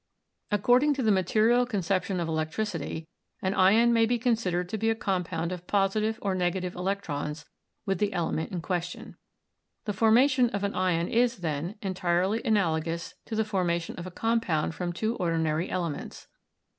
According to the material conception of electricity, an ion may be considered to be a compound of positive or negative electrons with the element in question. The formation of an ion is, then, entirely analogous to the formation of a compound from two ordinary elements.